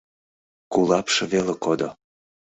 Кулапше веле кодо.